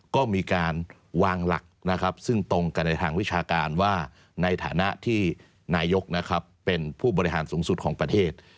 ก็มีการวางหลักนะครับซึ่งตรงกันในทางวิชาการว่าในฐานะที่นายกเป็นผู้บริหารสูงสุดของประเทศ